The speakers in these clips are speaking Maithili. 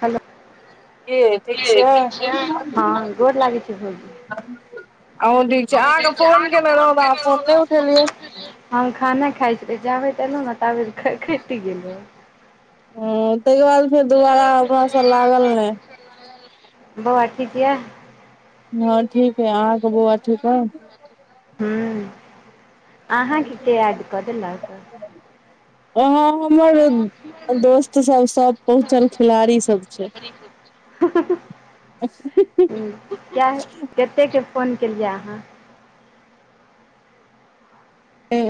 हलो की कि यैई छियै ठीक छीयै हँ गोर लागै छै भौजी अहूँ ह अहाँके ठीक छै आहा के रहौं फोन तऽ अहाँ केने रहु ता नहि आहा फोन उठेलियै नई उठे लिये हम खाना खाइ छलै जाबे त एलहुँ ने ताबे खारखईट गेलए ह ताहिके बाद फेर दुबारा ओकरा से लागल ने बौआ ठीक य हँ ठीक है अहाँकेँ बौआ ठीक है हु अहाँके के एड कऽ देलक ओ हमर दोस्त सब-सब पहुचल खिलाड़ी सब छै [unintelligible] काह् कतेक के फोन केलियै अहाँ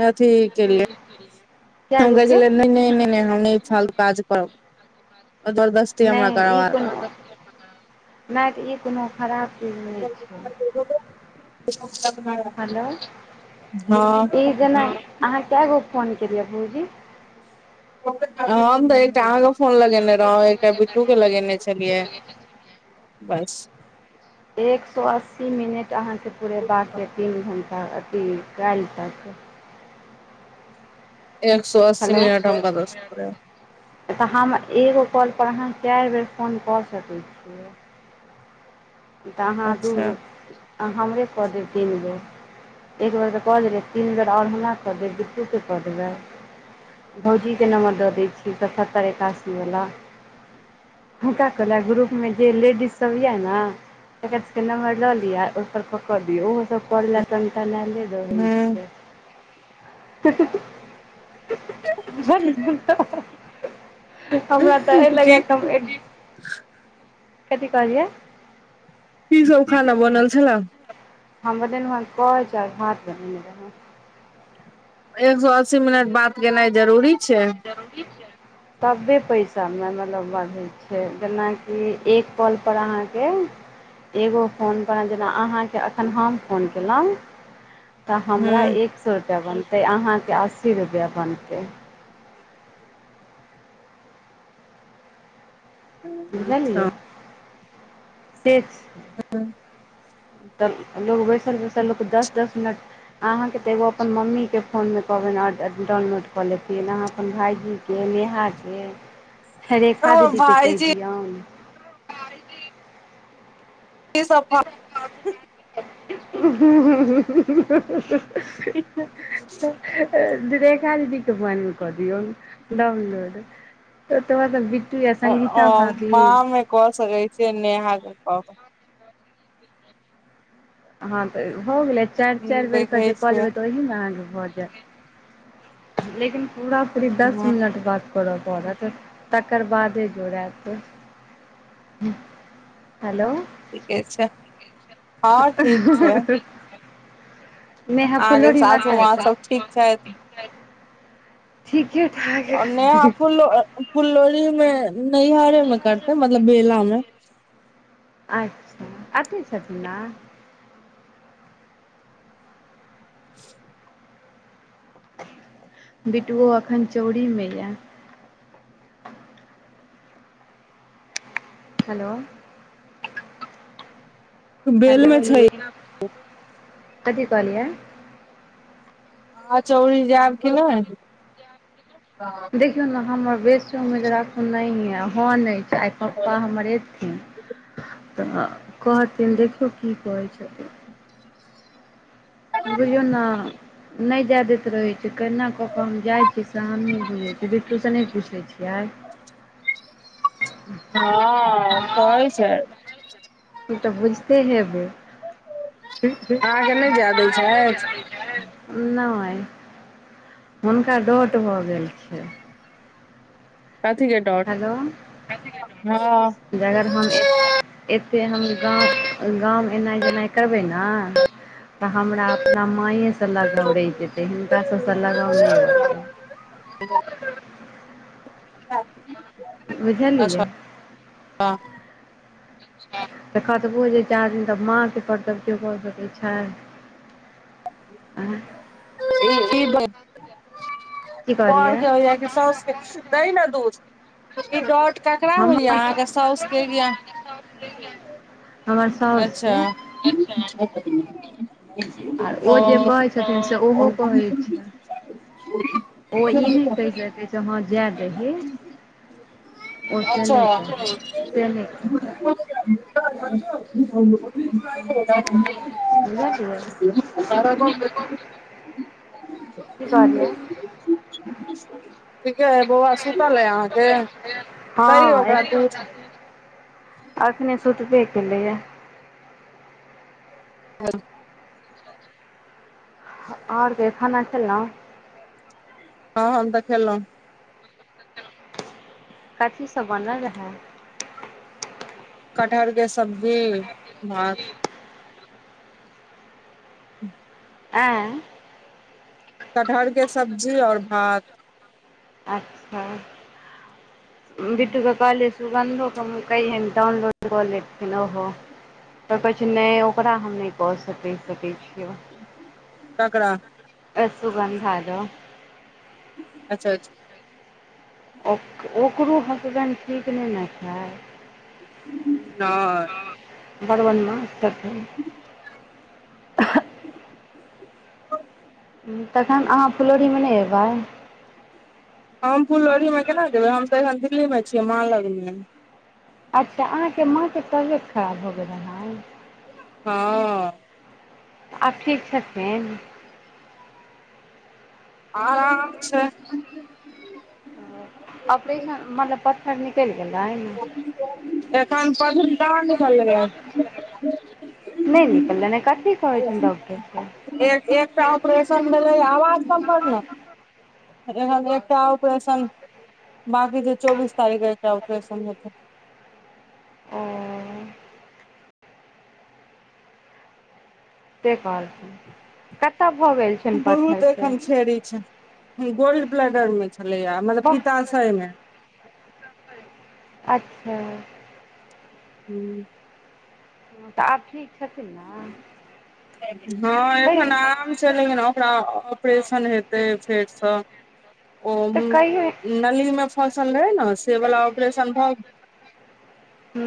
अथी के ले कए ओ कहैए गोके छलाई नई नई हम छाल काज करब दरदस नहि, ई कोनो नहि तऽ ई कोनो खराब चीज नहि छै। हेलो [unintelligible] हँ ई जेना अहाँ कए गो फोन केलियै भौजी हम तऽ एकटा अहाँ कऽ फौन लगेने रहूँ एकटा छलियै बस। एक सौ अस्सी मिनट अहाँकेँ पूरेबाक यऽ तीन घण्टा अथी काल्हि तक एक सो अस्सी मिनट हम हेलो कता सँ पुरैबाई। तऽ हमर एगो कॉल पर अहाँ चारि बेर फोन कऽ सकैत छियै। तऽ अहाँ दू अच्छा हमरे कऽ देब तीन बेर। एक बेर तऽ कऽ देलियै तीन बेर और हमरा कऽ देब बित्तु के कऽ देबै भौजीके नम्बर दऽ दै छियै, सतहत्तर एकासी वला। हुनका कहालिया ग्रुपमे जे लेडीज सभ यऽ ने। एकर सब केँ नम्मर लऽ लिआ आ ओहि पर कऽ कऽ दियो ओहो सब करे लऽ टन टनैय ले रहै हूँ छै [unintelligible] [unintelligible] हमरा तऽ एहि की लग कथि कहलियै? की सभ खाना बनल छला। हम बनेलू हैं कच भात बनेने रहु। एक सौ अस्सी मिनट बात केनाइ जरूरी छै। जरूरी छै। तबै पैसामे मतलब बढ़ै छै, जेनाकि एक कॉलपर अहाँकेँ। एगो फोनपऽ जेना अहाँके एखन हम फोन कलेहुँ तऽ हमरा हूँ एक सौ रुपैया बनतै अहाँकेँ अस्सी रुपैया बनतै अच्छा बुझलियै सेच ह। तऽ लोक बैसल बैसल लोकके दस दस मिनट अहाँकेँ तऽ एगो अपन मम्मी केँ फोनमे कह बैन डाउनलोड कऽ लेथिन अहाँ अपन भाइजी नेहाके रेखा हमर दीदीके कहि भाईजी दियौन। की सभ का। [unintelligible] [unintelligible] रेखा दीदी के मोबाइलमे कऽ दियऔन डाउनलोड [unintelligible] संगीता हम भाभी माँ मे कऽ सकै छियै नेहाके फोन। हँ, तऽ भऽ गेलै चारि चारि हूँ बेरके देखै जे कऽ छियै लेबै तऽ ओही ने अहाँकेँ भऽ जायत। लेकिन पुरा पुरी दस हूँ मिनट बाद। करऽ पड़त तकर बादे जोड़ैत हेलो। ठीके छै, हँ, ठीक छै। नेहा अहाँके फूललोड़हीमे ऐत सासू माँ सब ठीक छथि ऐतई। ठीके ठाक ह। फूल फूललोड़ही मे नैहारेमे करते मतलब बेलामे। आई अते छथिन आई [inaudible] बिटुओ अखन चौरी मे यऽ हेलो। बेल हेलो, मे छै कथि कहल य। अच्छा आह [unintelligible] चौरी जेब कि नई देखियौ ने हमर बेसि उमीद राखू नहि यऽ हो नई चाहै पापा हमर ऐथिन। हु, त कहथिन देखियौ की कहै छथिन। बुझियौ ने नहि जैय दैत रही। से केना कऽ हम जाइत छियै, सै हम ही बुझैत छै बिटू से नई पुछै छियै। हँ कहै छैल ई, त बुझते हेबै। अहाँके नहि जाय दै छथि नई हुनका डोट भऽ गेले छै। कथिके डर। हेलो, जागर हम एतेक हम गाव गाव मे एनाइ जेनाइ करबै ने। त हमरा अपन माये से लगाव रहि जेतै हिनका सभसँ लगाव नहि रहतै। [unintelligible] बुझलियै? अच्छा [unintelligible] तऽ कतबो जे चाहभीन ता माँ के परतार कियौ का सकैत छै। हृ। ई, ब। पत। बारके होया कि सासके दैई ने दूध। बेसी डाउट ककरा होइ य हमर अहाँकेँ साउस केँ की अहाँ [inaudible] अच्छा, साउसके आर [unintelligible] ओ जे कहै छथिन से ओहो हा [unintelligible] ओई, नई कैह सकैई। जे हाँ जाए दही ओ से नहि कहत से नहि कहत ब। [inaudible] बुझल छल। की कहलियै ठीके अइ बौआ सुतल अइ अहाँके [unintelligible] हा दही ओकरा दूध अखने सुतबे केलैए। हँ। अच्छा, अच्छा। ओर के खाना खेलोहुँ। ह, हम तऽ खेलहूँ कथि सभ बनल रहा। कटहरके सब्जी भात। आँ कटहरके सब्जी और भात। अच्छा, बिटू कऽ कॉलेज। सुगन्धो के मम्मी कयहिन डाउनलोड कऽ लेथिन ओहो। तऽ कहै छै, नै ओकरा हम ने कऽ सकहि सकै छियो। ककरा। सुगन्धा द। अच्छा अच्छा ओक, ओकरो हसबैंड ठीक नहि ने छै। नै। बड़ बदमाश छथिन तखन अहाँ फुलौरीमे नहि अयबै। हम फुललोरहीमे केना जेबै हम तऽ एखन दिल्लीमे छियै माँ लगमे। अच्छा अहाँके माँ के तबियत खराब भ गेला हन? हँ आब ठीक छथिन? आराम छै। ओ ऑपरेशन मतलब पत्थर निकलि गेलनि। एखन पधदड भेलैया। नै निकलेन कथि कहै छैन डाक्टर। एक एकटा ऑपरेशन भेलेया आवाज कम न। एकटा ऑपरेशन बाकी जे चौबीस तारीख एकटा ऑपरेशन हेतै। ओ के कहलखून कत। बहुत एकखन छैरी छै। गोल्ड ब्लेंडरमे छलैया मतलब बहु पिताशयमे। अच्छा। हू। हँ, तऽ आब ठीक छथिन ने। हँ कहियो एखन आरम छैय लेकिन ओकरा ऑपरेशन हेतै फेर सँ। ओ तऽ कहियो नलीमे फसल रहे न से वला ऑपरेशन भ हू।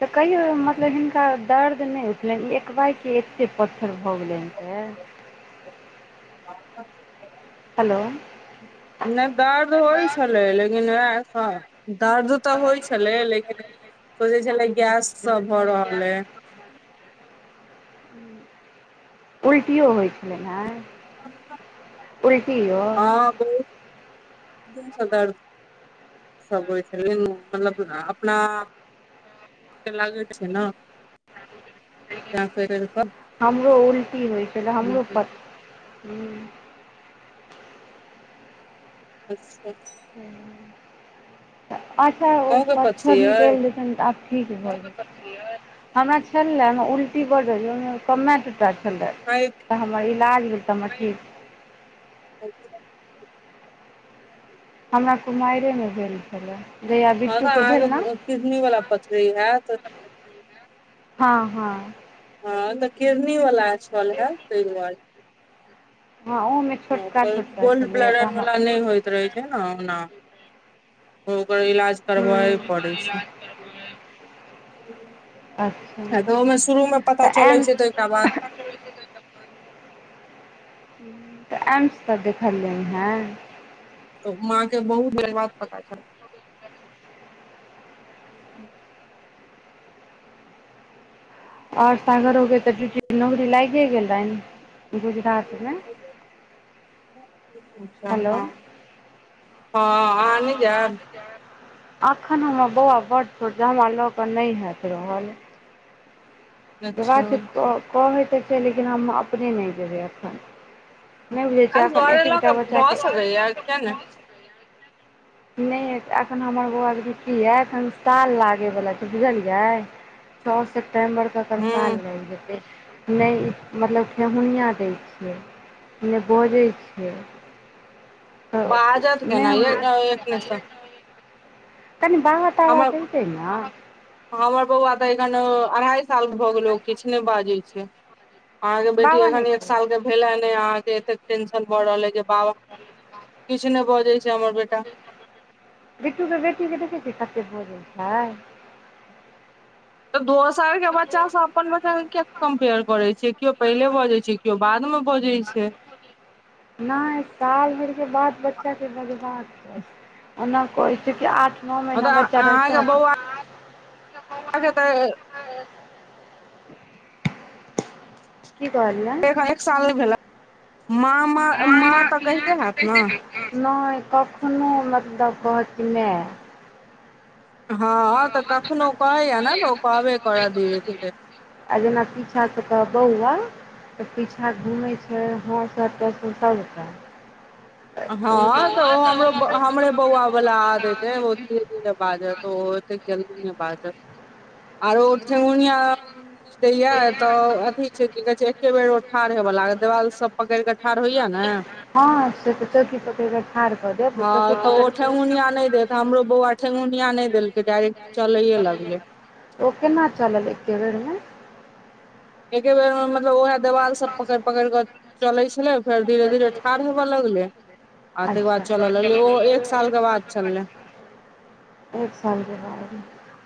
तऽ कहियो मतलब हिनका दर्द नहि उठलनि ई एकबाइके एतेक पत्थर भऽ गेले। [unintelligible] हेलो नै दर्द होइ छलै लेकिन वएह दर्द। तऽ होइ छले लेकिन सोचे छले गैस सँ भऽ रहलय उल्टी ओ होइ छलै हे। हँ, बहुत दिनसँ दर्द [unintelligible] मतलब अपना लागे छै, ने त कर। हमरो उल्टी होइत छलै हमरो पत हूँ। अच्छा। अच्छा ओ अहूँके पत्थर पथरी अइ निकल जेतेन त अप। ठीक भऽ गेल हमरा छलय हम उल्टी बड होइयाम कमेअ टटा छलैय। अइक [unintelligible] हमर इलाज म ‌तमतऽ कि [unintelligible] हमरा कुमारयमे भेल छलए जहिया बाबा बिट्टूके भेल ने अहाँके किडनी वाला पथरी हैत हँ हँ ह तऽ किरनी वला छल हेत ताहि दुवारै हँ ओमै हँ गोल्ड ब्लडर वाला नहि होइत रहै छै ऐना ओना ओकर इलाज भेलै करबाइल हूँ पड़े छै अच्छा [unintelligible] मे शुरू मे पता तऽ चलै छैय त एकरा बाद ऽ एमस तऽ देखलिए हन तऽ माँ के बहुत देर बाद पता छल [inaudible] ओर सागर के तऽ दिउटी नौकरी लागे गेलनि गुजरात मे। [inaudible] अच्छा हँ हेलो हँ आहा नहि जायब? अखन हमर बौआ बड्ड छोट छै हमरा लऽ कऽ नै हेत रहल आहे अच्छा छै क कहै तऽ छै लेकिन हम अपने नहि जेबै एखन नहि बुझै आ छियै एखन घरे ल एतेक के गोटा भ सकय यै किया नै बच्चाके नहि एखन हमर बौआ के जुट्टी यए एखन साल लागैवला छैय बुझलियै। छओ सेप्टेम्बरके अकर ह साल लगि जेतै नहि मतलब खठिहुनआ दै छै नै नहि बजै छै बाजत नहि केना यें हम [unintelligible] तनी बाबा ताबा हमर कहिते न हमर बौआ तऽ एखन अरहाई साल क भऽ गेलै ओ किछु नै बाजै छै अहाँ के बेटी बाबा नहि एखन एक कहै साल के भेले ने अहा के एतेक टेंशन भऽ रहल ह जे बाबा किछ नै बजैय छै हमर बेटा बिटू के बेटी के देखैय छियै कतेक बोजैय छै तऽ दोसर के बच्चा स अपन बच्चा के किया कंपेयर करे छिए किओ पहिले बजे छै किओ बाद मे बजै छै नै साल भर के बाद बच्चा के बजबा के चाहि ओना कहै छै कि आठ नो महीना मतलब बच्चा रह छै अगे दैय [unintelligible] की कहलिए एखन एक साल भेला माँ माँ तऽ कहिते हैत ने ने कखनो मतलब कहथी ने हँ तऽ कखनो कहैया ने तऽ ओ कहबे करत धीरे धीरे आ जेना पीछा सँ कहब बौआ तऽ पीछाँ घुमै छै ह सब [inaudible] हँ तऽ ओ हमरो सबटा हमरे बौआ बला आदेेैत ए ओ धीरे धीरे बाजत ओ ओतेक जल्दी नै बाजत आरो ठेहुनिया [inaudible] दैया तऽ अथी छै ओकी कहै छै एके बेर ठाढ़ होयब लागल देवाल सब पकड़ि कऽ ठाढ़ होइया ने हँ से त चौकी पकेर क ठार क दैब हँ तऽ ओ ठेहुनिया नहि देत हमरो बौआ ठेहुनिया नहि देलकै डायरेक्ट चलैये लगलै। ओ केना चलल एके बेर मे? एके बेर मे मतलब ओहा देवाल सब पकड़ -पकड़ क चले छलै फेर धीरे धीरे ठाढ़ हवए लगले आ ताकर अच्छा बाद चलऽ लगले ओ एक साल के बाद चलले एक साल ब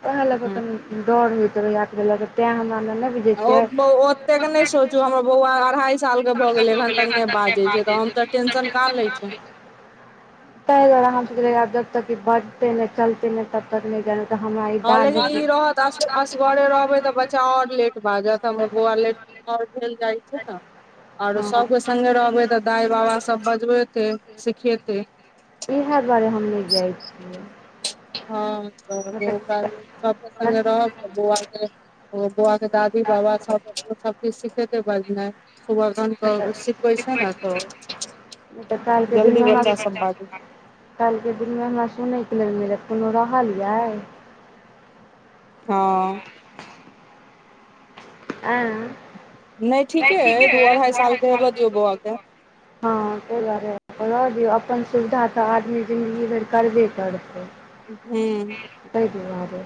वेहे लक कनि दौड़ होइत रहै तें हमरा लग ओ ब ओतेक नहि सोचू हमर बौआ अढ़ाई साल के भए गेलै एखन तक नहि बाजय छैय तऽ हम तऽ टेंशन काहां लै छी। ता दौरान हम सोचले आब जब तक बते ने चलते ने तब तक नहि तऽ हमरा ई हँ दादी लेकिन जी ई रहत अस असगरे रहबै तऽ बच चा आओर लेट बाजत हमर बौआ लेट [unintelligible] छैय ने आओरो हँ सभके सङ्गे रहबै तऽ दाई बाबा सभ बजबेतै सिखेतै। इएहे दुआरे हम नहि जाई छी। हँ तऽ नहि सबके तऽ संगे रहब नहि त बौआके ओ बौआके दादी बाबा सब सब चीज सिखेतै बजनाइ। सुबगान त सिखबैं नहि छैय ने तऽ नहि तऽ काल्हिके जल्दी दिनमे बच्चा हमरा सब बाजत। काल्हिके दिनमे हमरा सुनैके लेल मिलत कोनो रहलयइ। हँ नहि अइ ठीके दू अय अढ़ाई दु साल आरहाय के हेबऽ सालमें दियौ बौआ के [unintelligible] [unintelligible] रहे दियौ अपन सुविधा तऽ आदमी जिंन्दगी भरि करबे करतै। हू तै दुआरे